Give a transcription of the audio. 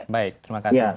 baik terima kasih